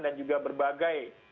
dan juga berbagai rangkaian prosedur